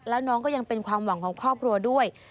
แล้วน้องก็ยังเป็นความหวังของครอบครัวด้วย